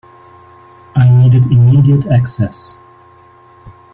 I needed immediate access.